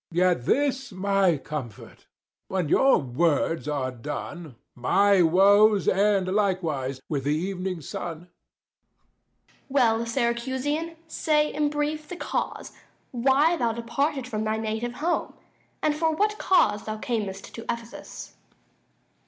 _ Yet this my comfort: when your words are done, My woes end likewise with the evening sun. Duke. Well, Syracusian, say, in brief, the cause Why thou departed'st from thy native home, 30 And for what cause thou camest to Ephesus.